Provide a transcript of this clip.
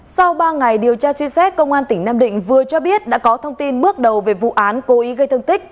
sau ba ngày điều tra truy xét công an tỉnh nam định vừa cho biết đã có thông tin bước đầu về vụ án cố ý gây thương tích